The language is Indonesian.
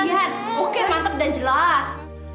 iya han oke mantep dan jelas